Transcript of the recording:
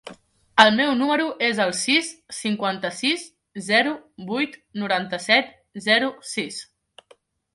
El meu número es el sis, cinquanta-sis, zero, vuit, noranta-set, zero, sis.